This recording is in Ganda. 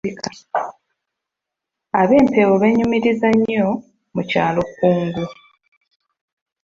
Ab'Empeewo beenyumiriza nnyo mu kyalo Kkungu.